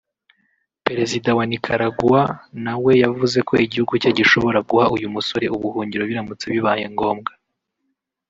perezida wa Nicaragua nawe yavuze ko igihugu cye gishobora guha uyu musore ubuhungiro biramutse bibaye ngombwa